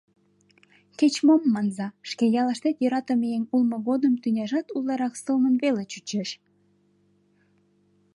Кеч-мом манза, шке ялыштет йӧратыме еҥ улмо годым тӱняжат утларак сылнын веле чучеш.